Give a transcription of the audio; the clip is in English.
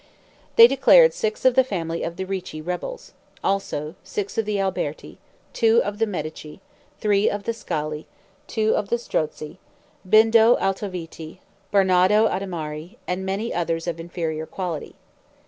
They declared six of the family of the Ricci rebels; also, six of the Alberti; two of the Medici; three of the Scali; two of the Strozzi; Bindo Altoviti, Bernado Adimari, and many others of inferior quality.